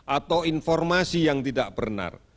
atau informasi yang tidak benar